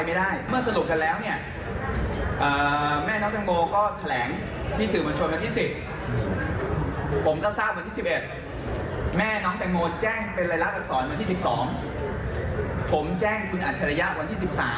วันที่๑๒ผมแจ้งคุณอัจฉริยาวันที่๑๓